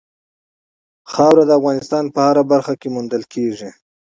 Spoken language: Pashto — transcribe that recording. خاوره د افغانستان په هره برخه کې موندل کېږي.